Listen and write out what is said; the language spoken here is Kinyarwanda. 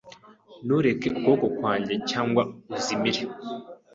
Ntureke ukuboko kwanjye, cyangwa uzimire.